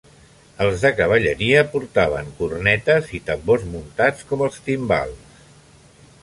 Els de cavalleria portaven cornetes i tambors muntats, com els timbals.